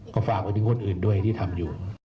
ก็ฝากไปถึงคนอื่นด้วยที่ทำอยู่